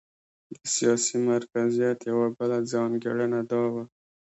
د سیاسي مرکزیت یوه بله ځانګړنه دا وه.